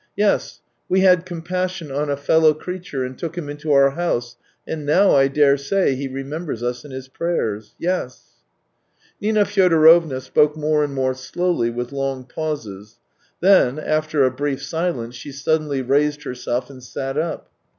Yes, we had compassion on a fellow ( reature and took him into our house, and now I daresay he remembers us in his prayers. ... Yes. ..." Nina Fyodorovna spoke more and more slowly with long pauses, then after a brief silence she suddenly raised herself and sat up.